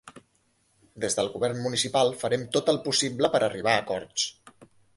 Des del govern municipal farem tot el possible per a arribar a acords.